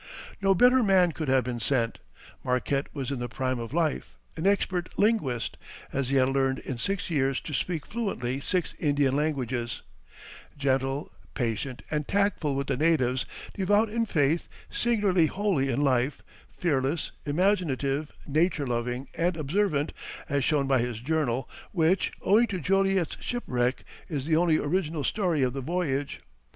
No better man could have been sent. Marquette was in the prime of life, an expert linguist as he had learned in six years to speak fluently six Indian languages gentle, patient, and tactful with the natives, devout in faith, singularly holy in life, fearless, imaginative, nature loving and observant, as shown by his journal, which, owing to Joliet's shipwreck, is the only original story of the voyage.